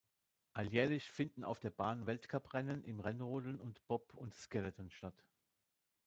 Alljährlich finden auf der Bahn Weltcuprennen im Rennrodeln und Bob- und Skeleton statt.